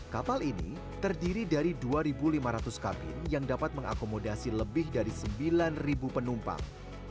kapal ini terdiri dari dua lima ratus kabin yang dapat mengakomodasi lebih dari sembilan penumpang